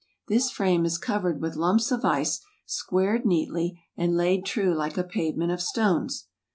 This frame is covered with lumps of ice, squared neatly, and laid true like a pavement of stones.